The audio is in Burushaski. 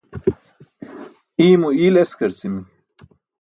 Iymo iyl eskarci̇mi̇.